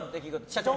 社長？